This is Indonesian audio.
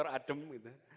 pulang kantor adem gitu